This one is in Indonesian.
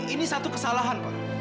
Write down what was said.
ini satu kesalahan pak